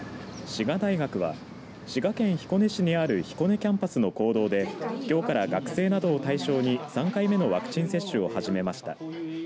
滋賀大学は滋賀県彦根市にある彦根キャンパスの講堂できょうから学生などを対象に３回目のワクチン接種を始めました。